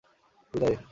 বিদায়।